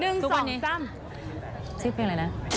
เสือกเพลงอะไรล่ะ